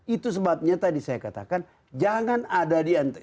itu sebabnya tadi saya katakan jangan ada di antara